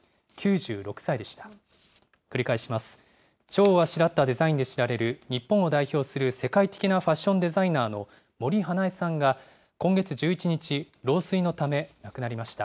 ちょうをあしらったデザインで知られる、日本を代表する世界的なファッションデザイナーの森英恵さんが、今月１１日、老衰のため亡くなりました。